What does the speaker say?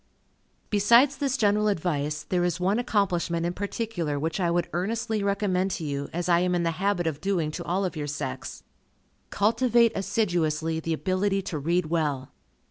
Besides this general advice, there is one accomplishment in particular, which I would earnestly recommend to you, as I am in the habit of doing to all of your sex. Cultivate assiduously the ability to read well.